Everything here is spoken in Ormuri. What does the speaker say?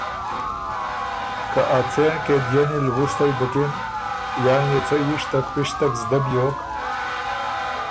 که ا څېن قیدئنی لوُستئ بُکِن یان يې څۀ یِشتک پِشتک زدۀ بیوک